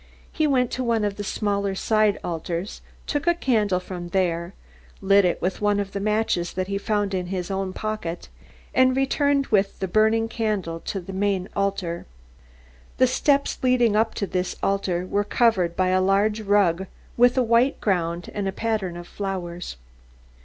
He went to one of the smaller side altars, took a candle from there, lit it with one of the matches that he found in his own pocket and returned with the burning candle to the main altar. The steps leading up to this altar were covered by a large rug with a white ground and a pattern of flowers.